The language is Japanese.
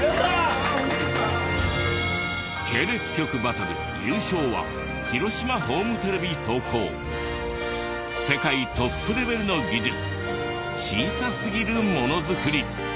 系列局バトル優勝は広島ホームテレビ投稿世界トップレベルの技術小さすぎるもの作り。